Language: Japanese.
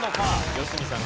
良純さん